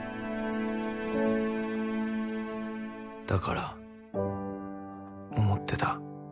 だから思ってた。